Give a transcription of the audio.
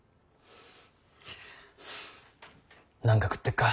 何か食ってくか？